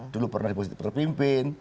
dulu pernah di positif berpimpin